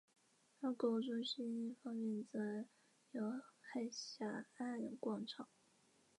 不同的来源对乌兹别克语使用者的数量估计相差较大。